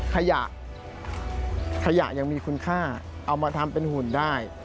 ขยะขยะยังมีคุณค่าเอามาทำเป็นหุ่นได้